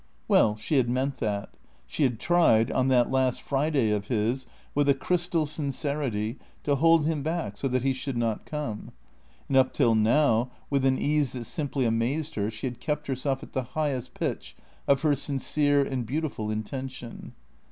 Well she had meant that; she had tried (on that last Friday of his), with a crystal sincerity, to hold him back so that he should not come. And up till now, with an ease that simply amazed her, she had kept herself at the highest pitch of her sincere and beautiful intention.